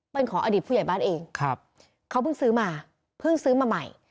เป็นของอดีตผู้ใหญ่บ้านเองครับเขาเพิ่งซื้อมาเพิ่งซื้อมาใหม่